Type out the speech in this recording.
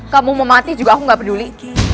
kamu mau mati juga aku gak peduli